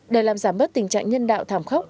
để làm giảm bớt tình trạng nhân đạo thảm khốc